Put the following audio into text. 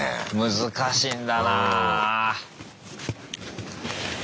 難しいんだなぁ。